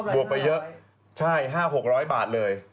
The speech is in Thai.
อ๋อบวกไปเยอะใช่๕๐๐๖๐๐บาทเลย